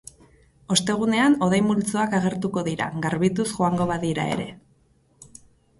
Ostegunean hodei-multzoak agertuko dira, garbituz joango badira ere.